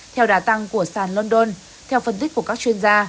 theo đà tăng của sàn london theo phân tích của các chuyên gia